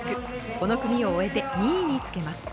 この組を終えて２位につけます。